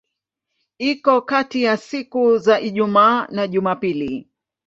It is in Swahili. Iko kati ya siku za Ijumaa na Jumapili.